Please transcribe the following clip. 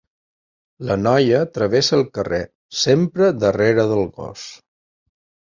La noia travessa el carrer, sempre darrere del gos.